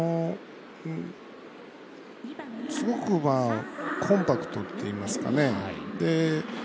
すごくコンパクトといいますかね。